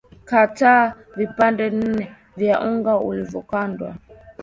kata vipande nne vya unga uliokandwa